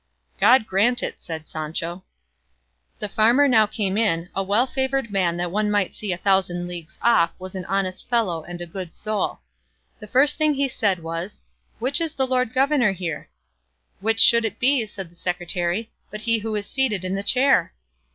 "God grant it," said Sancho. The farmer now came in, a well favoured man that one might see a thousand leagues off was an honest fellow and a good soul. The first thing he said was, "Which is the lord governor here?" "Which should it be," said the secretary, "but he who is seated in the chair?"